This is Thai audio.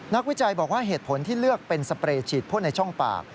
วิจัยบอกว่าเหตุผลที่เลือกเป็นสเปรย์ฉีดพ่นในช่องปาก